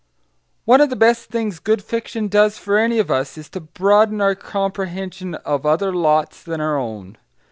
One of the best things good fiction does for any of us is to broaden our comprehension of other lots than our own.